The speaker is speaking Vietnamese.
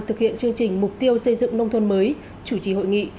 thực hiện chương trình mục tiêu xây dựng nông thôn mới chủ trì hội nghị